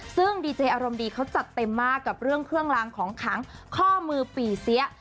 ซึ่งดีเจอารมณ์ดีเขาจัดเต็มมากกับเรื่องเครื่องลางของขังข้อมือปี่เสีย